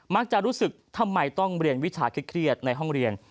จะรู้สึกทำไมต้องเรียนวิชาเครียดในห้องเรียน